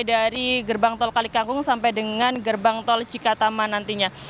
dari gerbang tol kalikangkung sampai dengan gerbang tol cikatama nantinya